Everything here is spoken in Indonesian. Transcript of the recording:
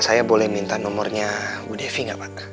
saya boleh minta nomornya bu devi gak pak